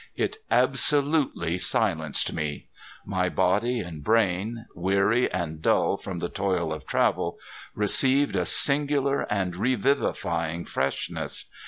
It absolutely silenced me. My body and brain, weary and dull from the toil of travel, received a singular and revivifying freshness.